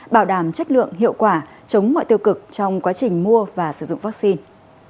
bảo đảm chất lượng hiệu quả chống mọi tiêu cực trong quá trình mua và sử dụng vaccine